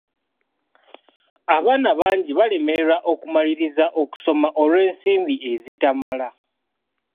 Abaana bangi balemererwa okumaliriza okusoma olw'ensimbi ezitamala.